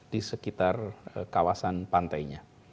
di sekitar kawasan pantainya